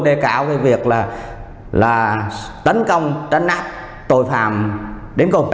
đeo cao việc tấn công tấn áp tội phạm đến cùng